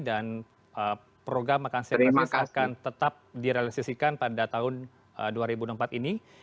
dan program makan seri mekas akan tetap direalisasikan pada tahun dua ribu empat ini